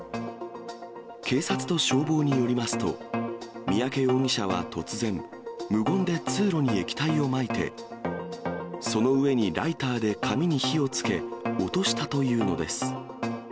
警察と消防によりますと、三宅容疑者は突然、無言で通路に液体をまいて、その上にライターで紙に火をつけ、落としたというのです。